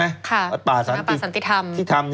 ค่ะสนับประสันติธรรม